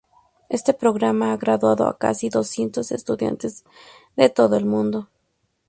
Este programa ha graduado a casi doscientos estudiantes de todo el mundo.